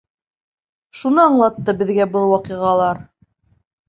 Шуны аңлатты беҙгә был ваҡиғалар.